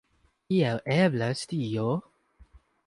Kiel eblas tio?